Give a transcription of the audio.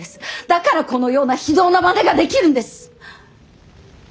だからこのような非道なまねができるんです！